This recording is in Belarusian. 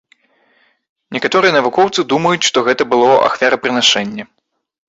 Некаторыя навукоўцы думаюць, што гэта было ахвярапрынашэнне.